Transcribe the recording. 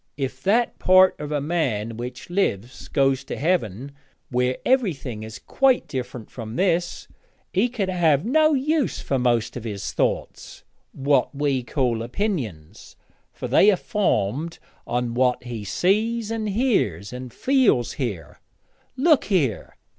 'If that part of a man which lives goes to Heaven, where everything is quite different from this, he could have no use for most of his thoughts what we call opinions, for they are formed on what he sees, and hears, and feels here. Look here!'